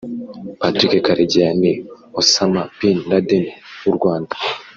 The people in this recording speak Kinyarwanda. Patrick Karegeya ni Osama Bin Laden w’u Rwanda